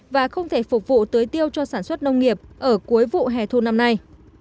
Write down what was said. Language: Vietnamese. và không thể phục vụ tưới tiêu cho sản xuất nông nghiệp ở cuối vụ hè thu năm nay